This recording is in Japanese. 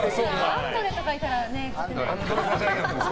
アンドレとかいたらね。